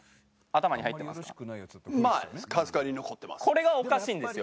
これがおかしいんですよ